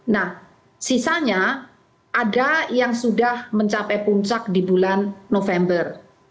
nah sisanya ada yang sudah mencapai puncak di bulan november